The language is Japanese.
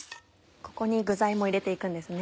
ここに具材も入れて行くんですね。